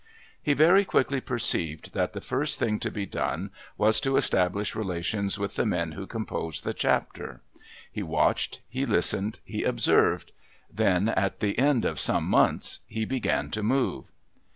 He very quickly perceived that the first thing to be done was to establish relations with the men who composed the Chapter. He watched, he listened, he observed, then, at the end of some months, he began to move.